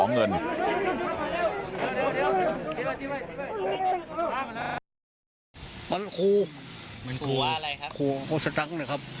ผมมีมั้ง